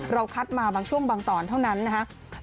คัดมาบางช่วงบางตอนเท่านั้นนะครับ